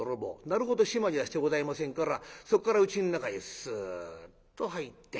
なるほど締まりはしてございませんからそっからうちの中へスッと入って。